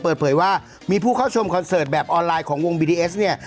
เปิดเผยว่ามีผู้เข้าชมคอนเสิร์ตแบบออนไลน์ของวงบีดีเอสเนี่ย